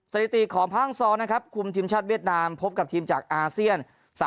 สถิติของภาคองซอนะครับคุมทีมชาติเวียดนามพบกับทีมจากอาเซียน